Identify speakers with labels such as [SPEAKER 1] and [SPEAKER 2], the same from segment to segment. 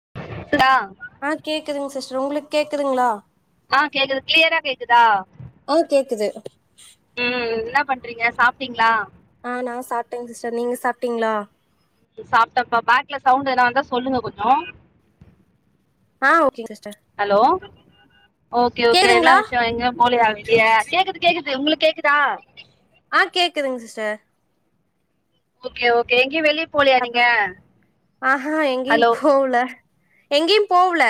[SPEAKER 1] [unintelligible]
[SPEAKER 2] ஆ கேக்குதுங் சிஸ்டர் உங்களுக் கேக்குதுங்ளா
[SPEAKER 1] ஆ கேக்குது க்ளியரா கேக்குதா
[SPEAKER 2] ஆ கேக்குது
[SPEAKER 1] ம் இன்னா பண்றீங்க சாப்ட்டீங்ளா
[SPEAKER 2] ஆ நா சாப்ட்டேங் சிஸ்டர் நீங்க சாப்ட்டீங்ளா
[SPEAKER 1] சாப்ட்டப்பா பேக்ல சவுண்ட் எத்னா வந்தா சொல்லுங்க கொஞ்சோ
[SPEAKER 2] ஆ ஓகேங் சிஸ்டர்
[SPEAKER 1] ஹலோ ஓகே ஓகே இன்னா
[SPEAKER 2] கேக்குதுங்களா
[SPEAKER 1] விஷியோ எங்யு போலியா வெளிய கேக்குது கேக்குது உங்களுக் கேக்குதா
[SPEAKER 2] ஆ கேக்குதுங் சிஸ்டர்
[SPEAKER 1] ஓகே ஓகே எங்க்யு வெளி
[SPEAKER 2] அப்றோ ஆஹா எங்கியும்
[SPEAKER 1] ஹலோ
[SPEAKER 2] போவல எங்கியும் போவல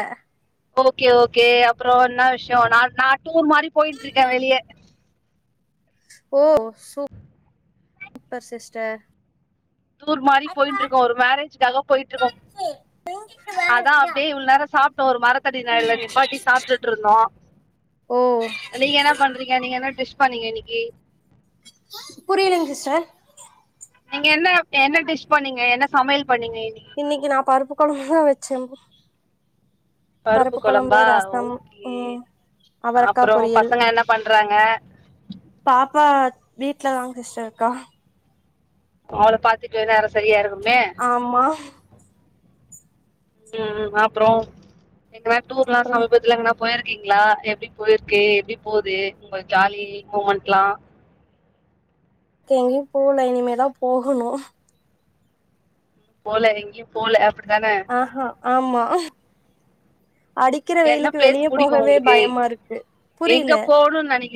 [SPEAKER 1] ஓகே ஓகே அப்புறோ இன்னா விஷ்யோ நா நா டூர் மாரி போயிட்டுருக்கே வெளியே
[SPEAKER 2] ஓ சூ [inaudible] பர் சிஸ்டர்
[SPEAKER 1] டூர் மாரி போயிட்டுருக்கோ ஒரு மேரேஜ்காக போயிட்ருக்கோ அதா அப்டியே இவ்ளோ நேரோ சாப்ட்டோ ஒரு மரத்தடி நிழல்ல நிப்பாட்டி சாப்ட்டுட்டுருந்தோ
[SPEAKER 2] ஓ
[SPEAKER 1] நீங்க என்ன பண்றீங்க நீங்க என்ன டிஸ் பண்ணீங்க இன்னைக்கு
[SPEAKER 2] புரியலங்க சிஸ்டர்
[SPEAKER 1] நீங்க என்ன என்ன டிஷ் பண்ணீங்க என்ன சமயல் பண்ணீங்க இன்னிகி
[SPEAKER 2] இன்னைக்கு நா பருப்பு கொழம்புதா வச்சே பருப்பு கொழம்பு
[SPEAKER 1] குழம்பா
[SPEAKER 2] ரசம்
[SPEAKER 1] ஓகே
[SPEAKER 2] ம் அவரக்கா
[SPEAKER 1] அப்புறம்
[SPEAKER 2] பொரியல்
[SPEAKER 1] பசங்க என்ன பண்றாங்க
[SPEAKER 2] பாப்பா வீட்ல தாங் கிருஸ் இருக்கா
[SPEAKER 1] அவள பாத்துக்குவே நேரோ சரியாருக்குமே
[SPEAKER 2] ஆமா
[SPEAKER 1] ம் அப்றோ எங்கனா டூர்லா
[SPEAKER 2] அப்றம்
[SPEAKER 1] சமீபத்துல எங்னா போயிருக்கீங்களா எப்டி போயிருக்கு எப்டி போகுது உங்க ஜாலி மூமெண்ட்லா
[SPEAKER 2] எங்கயு போல இனிமேதா போகணு
[SPEAKER 1] போல எங்கேயு போல அப்டித்தான
[SPEAKER 2] ஆஹா ஆமா அடிக்கிற
[SPEAKER 1] என்ன
[SPEAKER 2] வெயிலுக்கு
[SPEAKER 1] பிளேஸ்
[SPEAKER 2] வெளிய
[SPEAKER 1] பிடிக்கும்
[SPEAKER 2] போகவே
[SPEAKER 1] உங்களுக்கு
[SPEAKER 2] பயமாருக்கு புரில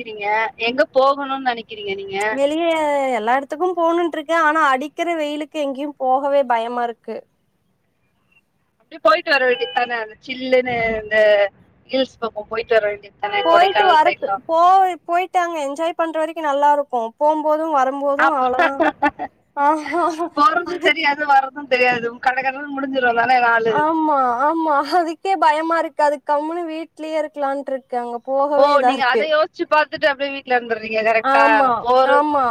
[SPEAKER 1] ங்க போகணுனு நினைக்கிறீங்க நீங்
[SPEAKER 2] வெள் எல்லா இடத்துக்கு போகணும்னு இருக்கு ஆனா அடிக்கிற வெயிலுக்கு எங்கேயு போவே பயமாருக்கு
[SPEAKER 1] யக்ஷ போயிட்டு வர வேண்டியது தானே அந்த சில்லுன்னு இந்த ஹில்ஸ் பக்கம் போயிட்டு வர வேண்டியது தானே
[SPEAKER 2] போய்ட்டு
[SPEAKER 1] கொடைக்கானல்
[SPEAKER 2] வர்ரது
[SPEAKER 1] சைட்லா
[SPEAKER 2] போய் போய்ட்டு அங்க என்ஜாய் பண்ற வரைக்கு நல்லாருக்கு போம்போது வரும்போது
[SPEAKER 1] அப்ப
[SPEAKER 2] அவ்ளோதா ஆ ஹாஹா
[SPEAKER 1] போறதும்
[SPEAKER 2] அதுக்கு
[SPEAKER 1] தெரியாது தெரியாது கட கடனு முடிஞ்சுடு நானே [inaudible]
[SPEAKER 2] ஆமா ஆமா அதுக்கே பயமாருக்கு அதுக் கம்முனு வீட்லே இருக்கலான்ட்ருக்கேன் அங்க போ
[SPEAKER 1] ஓ நீங்க அத யோசிச்சு பாத்துட்டு அப்டி வீட்ல இருந்துறீங்க கரெக்டா
[SPEAKER 2] ஆமா
[SPEAKER 1] போறு
[SPEAKER 2] ஆமா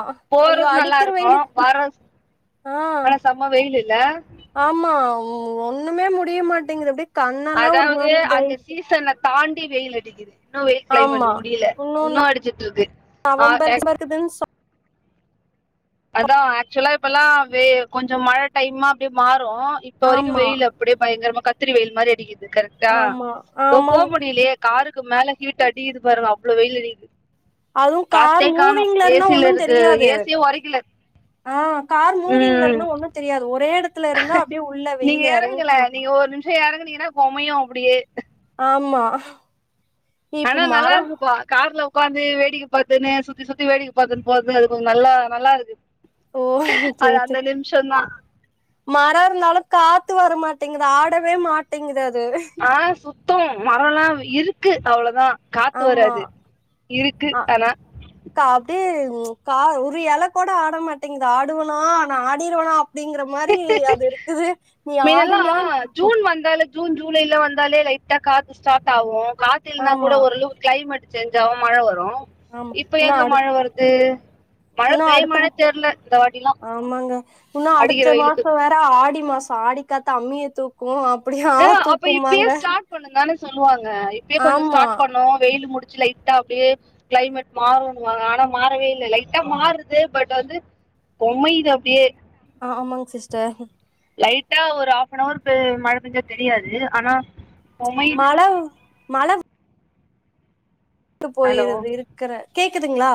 [SPEAKER 2] ஐயோ
[SPEAKER 1] போறது
[SPEAKER 2] அடிக்கிற
[SPEAKER 1] நல்லாருக்கு
[SPEAKER 2] வெயிலுக்கு
[SPEAKER 1] வர
[SPEAKER 2] ஆ
[SPEAKER 1] ஆனா செம்ம வெயிலுல
[SPEAKER 2] ஆமா ஒண்ணுமே முடிய மாட்டேங்குது அப்டியே கண்ணெல்லா ஒரு
[SPEAKER 1] அதாவது
[SPEAKER 2] மாரி இதாயி
[SPEAKER 1] அந்த சீசன தாண்டி வெயில் அடிக்குது இன்னு வெயில் கிளைமேட்
[SPEAKER 2] ஆமா
[SPEAKER 1] முடியல இன்னு அடிச்சிட்டுருக்கு ஆ
[SPEAKER 2] [unintelligible]
[SPEAKER 1] அதா ஆக்சுவலா இப்பெல்லா வெ கொஞ்சோ மழ டைம்மா அப்டியே மாறு இப்ப வரைக்கு
[SPEAKER 2] ஆமா
[SPEAKER 1] வெயிலு அப்டியே பயங்கரமா கத்திரி வெயில் மாரி அடிக்குது கரெக்டா
[SPEAKER 2] ஆமா
[SPEAKER 1] போ
[SPEAKER 2] ஆமா
[SPEAKER 1] போக முடியலயே காருக்கு மேல ஹீட் அடிக்குது பாருங்க அவ்ளோ வெயில் அடிக்குது
[SPEAKER 2] அதுவு கார்
[SPEAKER 1] காத்தே காணு
[SPEAKER 2] மூவிங்ல இருந்தா ஒன்னு
[SPEAKER 1] ஏசியிலருக்கு
[SPEAKER 2] தெரியாது
[SPEAKER 1] ஏசியே உரைக்கல
[SPEAKER 2] ஆ கார்
[SPEAKER 1] உம்
[SPEAKER 2] மூவிங்லருந்தா ஒண்ணு தெரியாது ஒரே இடத்
[SPEAKER 1] நீங்க இறங்குங்களே நீங்க ஒரு நிமிஷோ இறங்குனீங்கன்னா கொமையு அப்டியே
[SPEAKER 2] ஆமா இப்ப
[SPEAKER 1] ஆனா
[SPEAKER 2] மரம்
[SPEAKER 1] நல்லாருக்குப்பா கார்ல உக்காந்து வேடிக்க பாத்துன்னு சுத்தி சுத்தி வேடிக்க பாத்துன்னு போறது அது கொஞ்சோ நல்லா நல்லாருக்கு
[SPEAKER 2] ஓ
[SPEAKER 1] அது அந்த நிமிஷோந்தா
[SPEAKER 2] மரோ இருந்தாலு காத்து வர மாட்டேங்குது ஆடவே மாட்டேங்குது அது
[SPEAKER 1] ஆ சுத்தம் மரோலா இருக்கு அவ்ளதா காத்து
[SPEAKER 2] ஆமா
[SPEAKER 1] வராது இருக்கு அனா
[SPEAKER 2] க அப்டியே க ஒரு இல கூட ஆட மாட்டேங்குது ஆடுவனா நா ஆடிர்வனா டிங்கிற மாரி அது இர்க்குது நீ
[SPEAKER 1] முன்னெல்லாம்
[SPEAKER 2] ஆடுவியான்
[SPEAKER 1] ஜூன் வந்தாலே ஜூன் ஜூலைல வந்தாலே லைட்டா காத்து ஸ்டார்ட் ஆகு காத்து இல்னா கூட
[SPEAKER 2] ஆமா
[SPEAKER 1] ஒர் அளவு கிளைமெட் சேஞ்ச் ஆவு மழ வரு
[SPEAKER 2] ஆமா
[SPEAKER 1] இப்ப
[SPEAKER 2] இன்னு
[SPEAKER 1] எங்க
[SPEAKER 2] அடு
[SPEAKER 1] மழ வர்து மழ
[SPEAKER 2] இன்னு
[SPEAKER 1] பெய்
[SPEAKER 2] அடுத்த
[SPEAKER 1] மானே தெர்ல இந்த வாட்டிலா
[SPEAKER 2] ஆமாங்க உன்னு அடுத்த மாச வேற ஆடி மாசோ ஆடி காத்த அம்மியை தூக்கு அப்பிடியா
[SPEAKER 1] அ அப்ப இப்பேயே ஸ்டார்ட் பண்ணுதான சொல்லுவாங்க இப்பயே கொஞ்ச
[SPEAKER 2] ஆமா
[SPEAKER 1] ஸ்டார்ட் பண்ணு வெயில் முடிச்சு லை டா அப்டியே கிளைமெட் மாறுன்வாங்க ஆனா மாறவே இல்ல லைட்டா மாறுது பட் வந்து பொமையுது அப்டியே
[SPEAKER 2] ஆ ஆமாங் சிஸ்டர்
[SPEAKER 1] லைட்டா ஒரு ஹாஃப்னவர் பே மழ பெஞ்சா தெரியாது ஆனா பொம்மையுது
[SPEAKER 2] மழவ் மழ து
[SPEAKER 1] ஹலோ
[SPEAKER 2] போயிருது இருக்கிற கேக்குதுங்ளா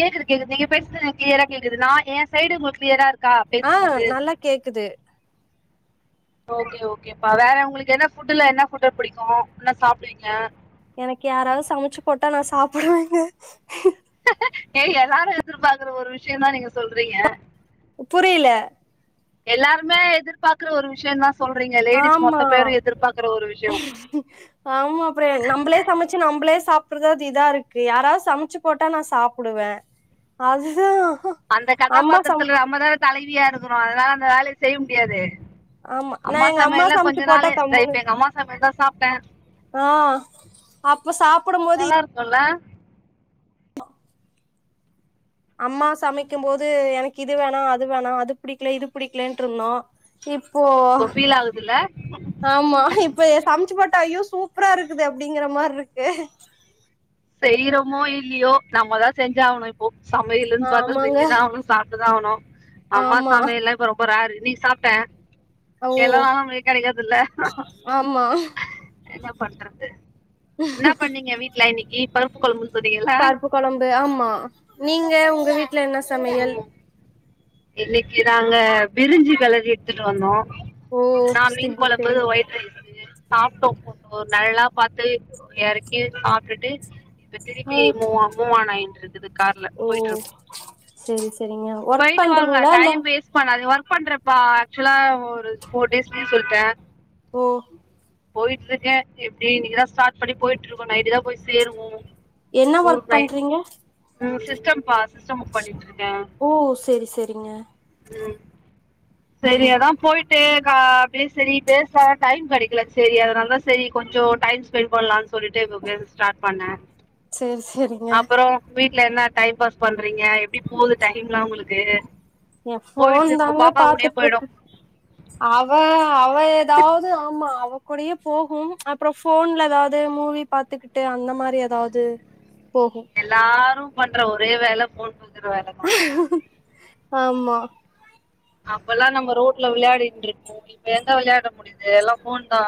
[SPEAKER 1] கேக்குது கேக்குது நீங்க பேச்றது எனக் கிளியரா கேக்குது நா எ சைடு உங்ளுக் கிளியரார்க்
[SPEAKER 2] ஆ நல்லா கேக்குது
[SPEAKER 1] ஓகே ஓகேப்பா வேற உங்ளுக்கு என்ன ஃபுட்ல என்ன ஃபுட் புடிக்கு என்ன சாப்பிடுவீங்க
[SPEAKER 2] எனக்கு யாராவது சமைச்சு போட்டா நா சாப்பிடுவேங்க
[SPEAKER 1] டெய்லி எல்லாரு எதிர்பாக்ற ஒரு விஷ்யோ தா நீங்க சொல்றீங்க
[SPEAKER 2] புரியில
[SPEAKER 1] எல்லாருமே எதிர்பாக்கிற ஒரு விஷயந்தா சொல்றீங்க லேடிஸ்
[SPEAKER 2] ஆமா
[SPEAKER 1] மொத்த பேரு எதிர்பாக்கிற ஒரு விஷ்யோ
[SPEAKER 2] ஆமா ஃபிரண் நம்புளே சமைச்சு நம்ளே சாப்பிடறது இதா இருக்கு யாராவது சமைச்சு போட்டா நா சாப்புடுவே அதுதா
[SPEAKER 1] அந்த
[SPEAKER 2] அம்மா
[SPEAKER 1] கதாபாத்திரத்துல
[SPEAKER 2] சமைச்சு
[SPEAKER 1] நம்மதான தலைவியா இருக்குறோ அதனால அந்த வேலைய செய்ய முடியாது
[SPEAKER 2] ஆமா நா
[SPEAKER 1] அம்மா
[SPEAKER 2] எங்க
[SPEAKER 1] சமையல்லா கொஞ்ச
[SPEAKER 2] சமைச்சு போட்டா
[SPEAKER 1] நாளு
[SPEAKER 2] கம்முனு
[SPEAKER 1] ரைட்டு எங்க அம்மா சமையல் தா சாப்டே
[SPEAKER 2] ஆ அப்ப சாப்பிடும் போது இப்
[SPEAKER 1] சொல்லே
[SPEAKER 2] அம்மா சமைக்கும் போது எனக்கிது வேணா அது வேணா அது புடிக்ல இது புடிக்லேன்டுருந்தோ சீ போ
[SPEAKER 1] இப்போ ஃபீல் ஆகுதுல்ல
[SPEAKER 2] ஆமா இப்ப சம்ச்சு போட்டா ஐயோ சூப்புரா இருக்குது அப்டிங்கற மாரிருக்கு
[SPEAKER 1] செய்றமோ இல்லியோ நம்மதா செஞ்சாவ்ணு இப் போ சமயலுன் பாத்தா
[SPEAKER 2] ஆமாங்க
[SPEAKER 1] செஞ்சுதாவ்ணு சாப்ட்டுதா ஆவுணு அம்மா
[SPEAKER 2] ஆமா
[SPEAKER 1] சமைலு இப்ப ரொம் போராறு நீ சாப்ட எல்லா நாளு லீவ் கெடைக்கற்தில்ல
[SPEAKER 2] ஆம்மா
[SPEAKER 1] என்ன பண்றது இன்ன பண்ணீங்க வீட்ல இன்னிக்கி பருப்பு கொழம்புன் சொன்னீங்கள
[SPEAKER 2] குழம்பு ஆமா நீங்க உங்க வீட்ல என்ன சமையல்
[SPEAKER 1] இன்னிக்கி தாங்க பிரிஞ்சி வெளறி எடுத்துட்டு வந்தோ
[SPEAKER 2] ஓ
[SPEAKER 1] நா மீன்
[SPEAKER 2] செரி
[SPEAKER 1] கொழம்பு
[SPEAKER 2] செரி
[SPEAKER 1] ஒயிட் ரைஸு சாப்டோம் ஒரு நெலல்லா பாத்து இறக்கி சாப்டுட்டு இப்ப
[SPEAKER 2] ஆ
[SPEAKER 1] திருப்பி மூவா மூவ்அன் ஆயிற்று
[SPEAKER 2] ஓ செரி செரிங்க ஒர்க்
[SPEAKER 1] ட்டு வாங்க
[SPEAKER 2] பண்றீங்களா இல்ல
[SPEAKER 1] டைம் வேஸ்ட் பண்ணாதீங் ஒர்க் பண்றப்பா ஆக்சுவலா ஒரு போர் டேஸ் லீவ் சொல்டே
[SPEAKER 2] ஓ
[SPEAKER 1] போயிட்ருக்கே எப்டி நீங்கதா ஸ்டார்ட் பண்ணி போய்ட்ருக்கோ நைட் தா போய் சேருவோ
[SPEAKER 2] என்ன வொர்க் பண்றீங்க
[SPEAKER 1] ம் சிஸ்டம்ப்பா சிஸ்டம் புக் பண்ணிட்ருக்கே
[SPEAKER 2] ஓ செரி செரிங்க
[SPEAKER 1] ம் செரி அதா போயிட் சே கா பே சேரி பேசா டைம் கடைக்குல சேரி அதனால் தா சேரி கொஞ்சொ டைம் ஸ்பெண்ட் பண்லான் சொல்லிட்டு ப்ப பேச ஸ்டார்ட் பண்ண
[SPEAKER 2] செரி செரிங்க
[SPEAKER 1] அப்பறொ வீட்ல என்ன டைம் பாஸ் பண்றீங்க எப்டி போது டைம்லா ஒங்களுக் கே
[SPEAKER 2] எ ஃபோன் தாங்க
[SPEAKER 1] போயிடும்
[SPEAKER 2] பாத்துட்ருக்க அவ அவ ஏதாவது ஆம்மா அவ கூடையே போகும் அப்புற ஃபோன்ல எதாது மூவி பாத்துக்குட்டு அந்த மாரி எதாவ்து போகு
[SPEAKER 1] எல்லாரு பண்ற ஒரே வேல ஃபோன் பாக்குற வேல
[SPEAKER 2] ஆம்மா
[SPEAKER 1] அப்பல்லா நம்ம ரோட்ல விளையாடிட் ன்ருப்போ இப்ப எங்க விளையாட்ர முடியுது எல்லா ஃபோன் தா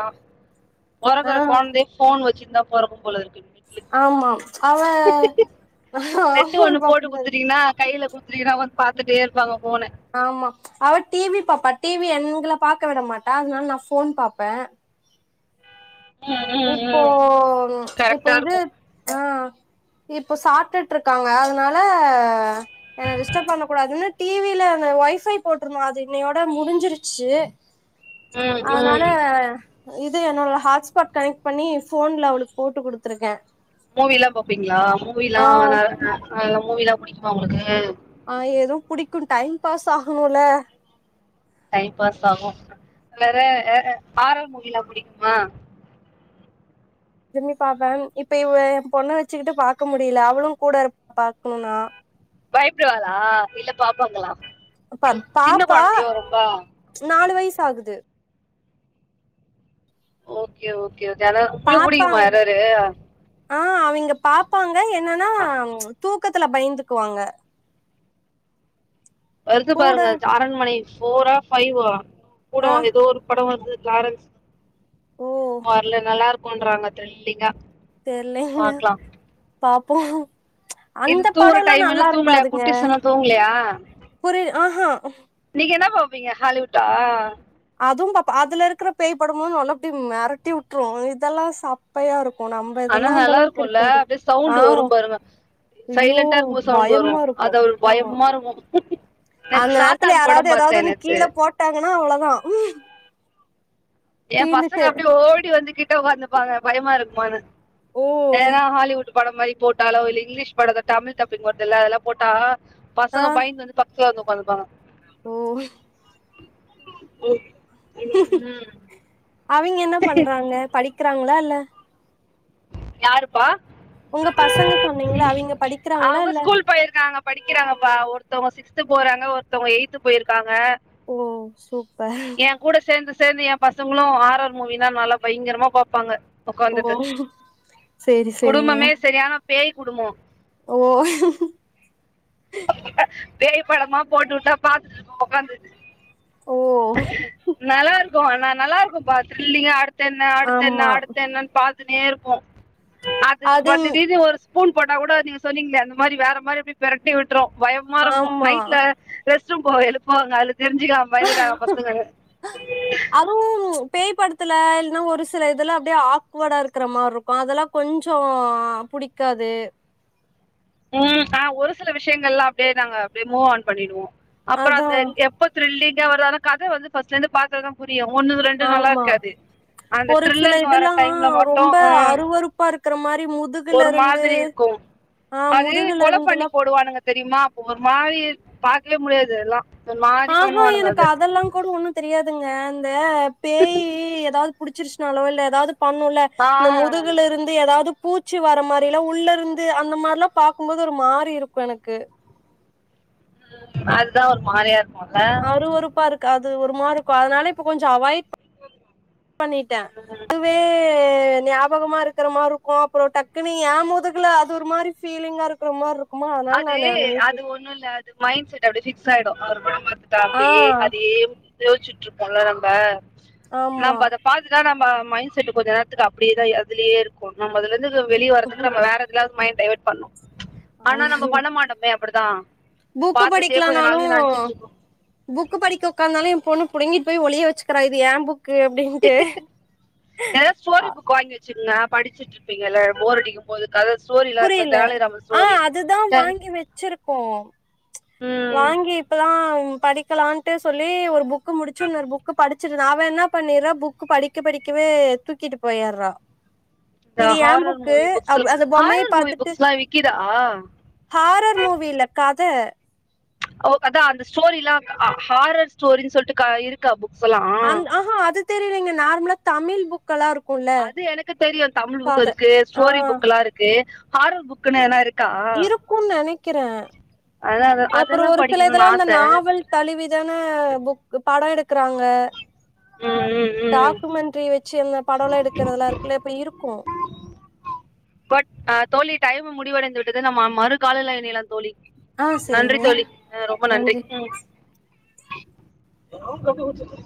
[SPEAKER 1] பொறக்குற
[SPEAKER 2] ஆ
[SPEAKER 1] கொழந்யே ஃபோன் வச்சிட்தா பொறக்கு போல இருக்கு வீட்டுல
[SPEAKER 2] ஆம்மா அவெ ஆமாப்பஅப்டிதா இருக்
[SPEAKER 1] டூ த்ரீ ரா ஒன் பாத்துட்டே இர்ப்பாங்க ஃபோன
[SPEAKER 2] ஆம்மா அவ டிவி பாப்பா டிவி என்ங்கள பாக்க விட மாட்டா அதனால் நா ஃபோன் பாப்பெ இப்போ இப்போ
[SPEAKER 1] கரெக்டா
[SPEAKER 2] இது
[SPEAKER 1] இருக்கும்
[SPEAKER 2] அ இப்பொ சாட்டுட்டு ருக்காங்க அதுனால என்ன டிஸ்டர்ப் பண்ணகூடாதுனு டிவில அந்த ஒய்ஃபை போட்டுருந்தோ அது இன்னையோட முடிஞ்சிருச்சு
[SPEAKER 1] ம்
[SPEAKER 2] அதுனால
[SPEAKER 1] ம்
[SPEAKER 2] இது என்னோள ஹாட்ஸ் பாட் கனெ்ட் பண்ணி ஃபோன்ல அவுளுக் போட்டு குடுத்துர்க்கே
[SPEAKER 1] மூவில்லா பாபப்பீங்களா மூவில்லா நற ந அ மூவிதா புடிக்குமா உங்ளுக்கு
[SPEAKER 2] அ ஏதோ புடிக்கு டைம் பாஸ் ஆகுணுல்ல
[SPEAKER 1] டைம் பாஸ் ஆகு வேற அ அ ஹாரர் மூவில்லா புடிக்குமா
[SPEAKER 2] திரும்பி பாப்பன் இப்ப இவ எம் பொண்ணை வச்சுக்கிட்டு பாக்க முடியில அவளுங் கூட இருப்பா பாக்கணுனா
[SPEAKER 1] பய்ப்டுவாலா இல்ல பாப்பாங்களா
[SPEAKER 2] ப்ப
[SPEAKER 1] சின்ன
[SPEAKER 2] பாப்பா
[SPEAKER 1] குழந்தையோ ரொம்ப
[SPEAKER 2] நாலு வைஸ் ஆகுது
[SPEAKER 1] ஓக்கே ஓக்கே ஓக்கே ஆனா புல்லுக் புடிக்குமா ஹாரறு
[SPEAKER 2] அ அவிங்க பாப்பாங்க என்னன்னா தூக்கத்துல பயந்துக்குவாங்க
[SPEAKER 1] வருது
[SPEAKER 2] கூட
[SPEAKER 1] பாருங்க அரண்மனை ஃபோர்ரா ஃபைவா கூட
[SPEAKER 2] ஆ
[SPEAKER 1] வந்து ஏதோ ஒரு படம் வருது லாரன்ஸ்
[SPEAKER 2] ஓ
[SPEAKER 1] வார்ல நல்லாருக்கும் றாங்க த்ரில்லிங்கா
[SPEAKER 2] தெர்லைங்க
[SPEAKER 1] பாக்கலாம்
[SPEAKER 2] பாப்போ
[SPEAKER 1] இது
[SPEAKER 2] அந்த
[SPEAKER 1] தூங்குற
[SPEAKER 2] படொல்லா
[SPEAKER 1] டைம்னு தூங்கலையா
[SPEAKER 2] நல்லாருக்காதுங்க
[SPEAKER 1] குட்டிஸ் எல்லாம் தூங்கலையா
[SPEAKER 2] புரி ஆஹா
[SPEAKER 1] நீங்க என்னா பாப்பீங்க ஹாலிவுட்டா
[SPEAKER 2] அதுவும் பாப் அதுல இருக்குற பேய் படமு நல்லா ப்டி மெரட்டி வுட்டுரு இத்தெல்லா சப் பையா ருக்கு நம்ப
[SPEAKER 1] ஆனா
[SPEAKER 2] இதெல்லா அந்த
[SPEAKER 1] நல்லா
[SPEAKER 2] அளவுக்
[SPEAKER 1] இருக்கும்ல
[SPEAKER 2] இருக்காது
[SPEAKER 1] அப்படியே
[SPEAKER 2] ஆ
[SPEAKER 1] சவுண்ட் வரும் பாருங்க
[SPEAKER 2] ஐயோ
[SPEAKER 1] சைலண்டா இருக்கும்போது சவுண்ட் வரும்
[SPEAKER 2] பயம்மாருக்கு
[SPEAKER 1] அது ஒரு
[SPEAKER 2] ஆம்மா
[SPEAKER 1] பயமா இருக்கும் நேத்து
[SPEAKER 2] அந்த நேரத்துல
[SPEAKER 1] சாத்தான்
[SPEAKER 2] யாராவது
[SPEAKER 1] படம்
[SPEAKER 2] எதாவது
[SPEAKER 1] பார்த்தேன்
[SPEAKER 2] ஒன்னு
[SPEAKER 1] நேத்து
[SPEAKER 2] கீழ போட்டாங்கன்னா அவ்ளதா
[SPEAKER 1] எபசங்க அப்டே ஓடி வந்து கிட்ட ஒக்காந்துப்பாங்க பயமாருக்குமான்னு
[SPEAKER 2] ஓ
[SPEAKER 1] ஏன்னா ஹாலிவுட் படம் மாரி போட்டாலோ இல்ல இங்கிலீஷ்த்த பட தமிழ் தப்பிங் போட்டால்ல அதெல்லா போட்டா
[SPEAKER 2] ஆ
[SPEAKER 1] பசங்க பயந்து வந்து பக்த்துல வந்து ஒக்காந்துபாங்க
[SPEAKER 2] ஓ
[SPEAKER 1] ம்
[SPEAKER 2] அவங்க என்ன பண்றாங்க படிக்கிறாங்களா இல்ல
[SPEAKER 1] யாருப்பா
[SPEAKER 2] உங்க பசங்க சொன்னீங்களா அவங்க படிக்கிறாங்களா
[SPEAKER 1] அவங்க
[SPEAKER 2] இல்ல
[SPEAKER 1] ஸ்கூல் போயிருக்காங்க படிக்கிறாங்கப்பா ஒருத்தவங்க சிக்ஸ்த் போறாங்க ஒருத்தவங்க எயி்த் போயிருக்காங்க
[SPEAKER 2] ஓ சூப்பர்
[SPEAKER 1] எ கூட சேந்து சேந்து எ பசங்களு ஆரர் மூவினா நல்லா பயங்கரமா பாப்பாங்க
[SPEAKER 2] ஓ சேரி சேரிங்க
[SPEAKER 1] குடும்பமே செரியான பேய் குடும்போ
[SPEAKER 2] ஓ
[SPEAKER 1] பேய படமா போட்டுவிட்டா பாத்துட்டு இருக்கு உட்க்காந்து
[SPEAKER 2] ஓ
[SPEAKER 1] நல்லா இருக்கு ஆனா நல்லா இருக்கு பா த்ரில்லிங்கா அடுத் என்ன அடுத் என்ன
[SPEAKER 2] ஆமா
[SPEAKER 1] அடுத் என்னன்னு பாத் துனே இருப்போ பாத்துட்டு
[SPEAKER 2] அது
[SPEAKER 1] பாத்துட்டு டி வி யு ஒரு பூண் போட்டா கூட நீங்க சொன்னீங்களே அந்த மாரி வேற மாரி அப்டி பெரட்டி விட்டுரு பயமா இருக்கு
[SPEAKER 2] ஆமா
[SPEAKER 1] நைட்ல ரெஸ்ட் ரூம்க்கு போக எழுப்புவாங்க அதுல தெரிஞ்சுக்கலா பயந்துடாங்க பசங்கன்னு
[SPEAKER 2] அதுவு ம் பேய் படத்துல இல்ன்னா ஒரு சில இதலா அப்டியே ஆக்வர்டா இருக்கிற மாரி இருக்கு அதெல்லா கொஞ்சோ புடிக் காது
[SPEAKER 1] ம் க்கா ஒரு சில விஷயங்கள் எல்லா அப்டியே நாங்க அப்டியே மூவ் ஆன் பண்ணிடுவோ அப்புறோ
[SPEAKER 2] அதா
[SPEAKER 1] அந்த இ எப்ப த்ரில்லிங்கா வர வர கத வந்து ஃபிரஸ்ட்ல இருந்து பாத்தாதா புரியு ஒண்ணுக்கு ரெண்டு நல்லா
[SPEAKER 2] ஆமா
[SPEAKER 1] இருக்காது அந்த
[SPEAKER 2] ஒரு சில
[SPEAKER 1] த்ரில்லர் வர டைம்ல மட்டு ஆ
[SPEAKER 2] இப்ப இருக்குறமாரி மூ
[SPEAKER 1] ஒரு மாதிரி இருக்கு அது
[SPEAKER 2] முதுகுல
[SPEAKER 1] கொலப்பண்ணி
[SPEAKER 2] இருந்துல்லா
[SPEAKER 1] போடுவானுங்க தெரியுமா அப்போ ஒரு மாதிரி பாக்கவே முடியாது எல்லா
[SPEAKER 2] ஆ ஆ எனக்கு அதெல்லா கூட ஒண்ணு தெரியாதுங்க இந்த பேய் ஏதாவது புடிச்சிருச்சுனாலோ இல்ல ஏதாவது பண்ணுல இந்த
[SPEAKER 1] ஆ
[SPEAKER 2] முதுகுல இருந் து ஏதாவது பூச்சி வர மாரி எல்லா உள்ள இருந்து அந்த மாரி எல்லா பாக்கும்போது ஒரு மாரி இருக்கு எனக்கு
[SPEAKER 1] அதா ஒரு மாரியா இருக்கும்ல
[SPEAKER 2] அறுவறுப்பா இருக்கு அது ஒருமாரி கொ அதனால இப்ப கொஞ்சோ அவாய்ட் பண் பண்ணிட்டே
[SPEAKER 1] உ
[SPEAKER 2] துவே ய் ஞாபகமா இருக்கிற மாரி இருக்கு அப்புறோ டக்குனு எ முதுகுல அது ஒரு மாரி ஃபீலிங்கா இருக்கிற மாரி இருக்கு
[SPEAKER 1] அது அது ஒண்ணு இல்ல மைண்ட செட் அப்டி ஃபிக்ஸ் ஆயிடு அவர் படம் பாத்துட்டு அப்டியே
[SPEAKER 2] ஆ
[SPEAKER 1] அதயே யோசுச்சுட்டு இருக்போம்ல நம்ப
[SPEAKER 2] ஆமா
[SPEAKER 1] நாம் அத பாத்துட்டா நம்ம மைண்ட் செட் கொஞ்ச நேரத்துக்கு அப்டியே தா இரு அதுலயே இருக்கு நம்ம அதுல இருந்து வெளியவரதுக்கு நம்ம வேற எப்டியாவது மைண்ட் டைவர்ட் பண்ணு ப்ச் ஆனா நம்ம
[SPEAKER 2] ஆமாங்க
[SPEAKER 1] பண்ண மாட்டோமே அப்டிதா
[SPEAKER 2] புக்கு படிக்கலான்னாலு புக்கு படிக்க உக்காந்தாலு எ பொண்ணு புடுங்கிட்டு போயி ஒழிய வச்சிக்கிறா இது எ புக் கு அப்டினு
[SPEAKER 1] ஏதாவது ஸ்டோரி புக்கு வாங்கி வச்சுங்க படிச்சிட்டு இருப்பீங்கல்ல போரடிக்கும் போது கத ஸ்டோரி எல்லா இருக்குல்ல
[SPEAKER 2] புரியல
[SPEAKER 1] தெனாலிராமன்
[SPEAKER 2] ஆ
[SPEAKER 1] ஸ்டோரி
[SPEAKER 2] அதுதா
[SPEAKER 1] தென்
[SPEAKER 2] வாங்கி வச்சிருக்கோ
[SPEAKER 1] ம்
[SPEAKER 2] வாங்கி இப்பதா படிக்கலான்ட்டு சொல்லி ஒரு புக்கு முடுச்சு இன்னொரு புக்கு படுச் சிட்டு அவ என்னா பண்ணிறா புக் படிக்க படிக்கவே தூக்கிட்டு போயட்றா
[SPEAKER 1] இந்த
[SPEAKER 2] இது ஏம்
[SPEAKER 1] ஹாரர்
[SPEAKER 2] புக்கு
[SPEAKER 1] மூவி புக்ஸ்
[SPEAKER 2] அவு அந்த பொம்மைய
[SPEAKER 1] ஹாரர் மூவி
[SPEAKER 2] பாத்துட்டு
[SPEAKER 1] புக்ஸ்லாம் விக்கிதா
[SPEAKER 2] ஹாரர் மூவி இல்ல கத
[SPEAKER 1] ஓ அதா அந்த ஸ்டோரில்லா ஹாரர் ஸ்டோரின்னு சொல்ட்டு க இருக்கா புக்ஸ் எல்லா
[SPEAKER 2] அந் ஆஹா அது தெரியலெங்க நார்மலா தமிழ் புக் க்கல்லா இருக்குல்ல
[SPEAKER 1] அது எனக்கு தெரியு தமிழ் புக்கு
[SPEAKER 2] கத
[SPEAKER 1] இருக்கு
[SPEAKER 2] ஆ
[SPEAKER 1] ஸ்டோரி புக் எல்லா இருக்கு ஹாரர் புக்ன்னா எதுனா இருக்
[SPEAKER 2] இருக்குன்னு நெனைக்கிறே
[SPEAKER 1] அதா
[SPEAKER 2] அப்றொ
[SPEAKER 1] அதெல்லா
[SPEAKER 2] ஒரு சில
[SPEAKER 1] படிக்கணுனு
[SPEAKER 2] இதெல்லா இந்த
[SPEAKER 1] ஆச
[SPEAKER 2] நாவல் தழுவிதான புக் படொ எடுக்குறாங்க
[SPEAKER 1] ம் ம் ம்
[SPEAKER 2] டாக்குமெண்ட்ரி வச்சு இந்த படொல்லா எடுக்கறதெலா இருக்குல்ல இப்டி இருக்கு
[SPEAKER 1] பட் அ தோழி டைம்மு முடிவடைந்து விட்டது நம்ம மறு கால்ல இணையலா தோழி
[SPEAKER 2] ஆ
[SPEAKER 1] நன்றி
[SPEAKER 2] சேரிங்க
[SPEAKER 1] தோழி அ ரொம்ப நன்றி ம்